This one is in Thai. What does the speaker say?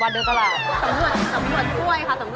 สำรวจกล้วยค่ะสำรวจกล้วย